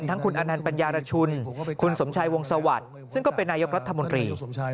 ทั้งคุณอนันต์ปัญญารชุนคุณสมชัยวงศวรรค์ซึ่งก็เป็นนายกรัฐมนตรี